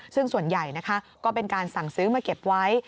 ซึ่งส่วนใหญ่นะคะก็เป็นการสั่งซื้อมาเก็บไว้